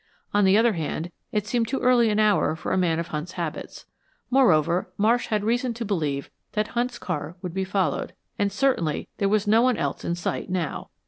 On the other hand, it seemed too early an hour for a man of Hunt's habits. Moreover, Marsh had reason to believe that Hunt's car would be followed; and certainly there was no one else in sight now.